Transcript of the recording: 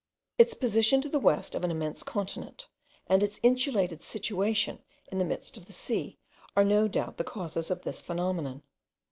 Its position to the west of an immense continent, and its insulated situation in the midst of the sea, are no doubt the causes of this phenomenon.